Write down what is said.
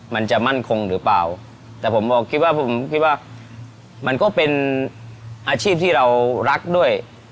มันจะมั่นคงหรือเปล่าแต่ผมบอกคิดว่าผมคิดว่ามันก็เป็นอาชีพที่เรารักด้วย